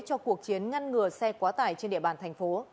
cho cuộc chiến ngăn ngừa xe quá tải trên địa bàn thành phố